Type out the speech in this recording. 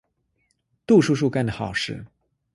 杜叔叔干的好事。